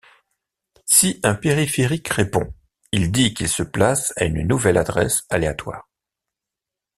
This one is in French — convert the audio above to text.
Si un périphérique répond, il dit qu'il se place à une nouvelle adresse aléatoire.